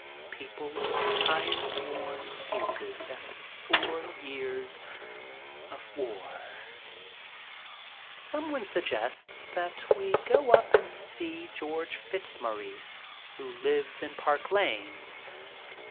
People with tired, worn faces after four years of war ! Some one suggests that we go up and see George Fitz maurice, who lives in Park Lane.